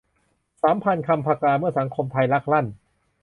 สัมภาษณ์ 'คำ ผกา' : เมื่อสังคมไทยลักลั่น